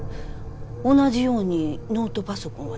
同じように「ノートパソコンはないか？」